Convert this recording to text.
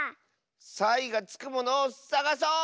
サイがつくものをさがそう！